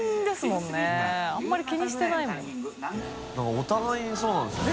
お互いにそうなんですよね